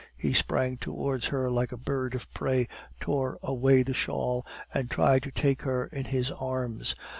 He sprang towards her like a bird of prey, tore away the shawl, and tried to take her in his arms.